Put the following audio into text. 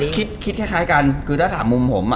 คิดแค่กันถ้าถามมุมผมอะ